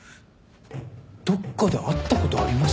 どっかで会ったことあります？